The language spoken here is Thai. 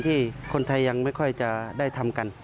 ที่คนไทยยังไม่ค่อยจะได้ทำกัน